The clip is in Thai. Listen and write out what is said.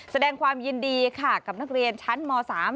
แสดงความยินดีค่ะกับนักเรียนชั้นม๓